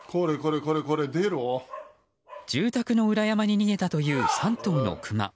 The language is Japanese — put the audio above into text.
住宅の裏山に逃げたという３頭のクマ。